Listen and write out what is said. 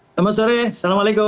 selamat sore assalamualaikum